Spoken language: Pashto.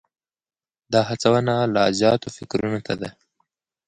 دا هڅونه لا زیاتو فکرونو ته ده.